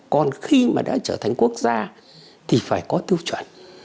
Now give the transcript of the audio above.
còn khi mà đã trở thành quốc gia thì phải có tiêu chuẩn